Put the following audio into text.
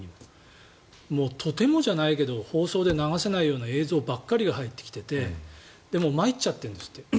とてもじゃないけど放送で流せないような映像ばっかりが入ってきていて参っちゃってるんですって